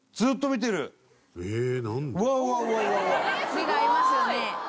目が合いますよね。